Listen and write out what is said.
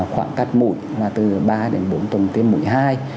khoảng cách mũi từ ba đến bốn tuần tiêm mũi hai